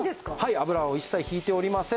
油を一切引いておりません。